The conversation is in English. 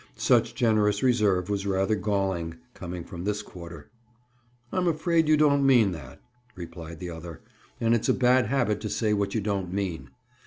Such generous reserve was rather galling, coming from this quarter. "I'm afraid you don't mean that," replied the other. "And it's a bad habit to say what you don't mean.